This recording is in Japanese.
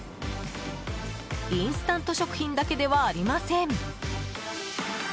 インスタント食品だけではありません。